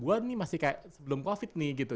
gue nih masih kayak sebelum covid nih gitu